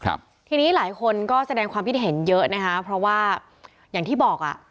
ครับทีนี้หลายคนก็แสดงความคิดเห็นเยอะนะคะเพราะว่าอย่างที่บอกอ่ะ